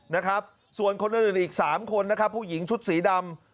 นะครับส่วนคนอื่นอีก๓คนนะครับผู้หญิงชุดสีดำ